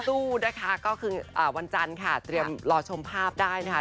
สู้นะคะก็คือวันจันทร์ค่ะเตรียมรอชมภาพได้นะคะ